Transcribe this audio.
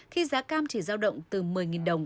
khi giá cam chỉ giao động từ một mươi đồng